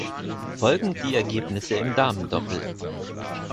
Folgend die Ergebnisse im Damendoppel.